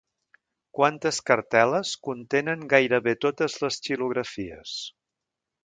Quantes cartel·les contenen gairebé totes les xilografies?